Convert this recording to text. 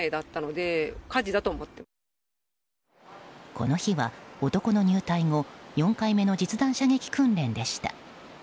この日は男の入隊後４回目の実弾射撃訓練でした。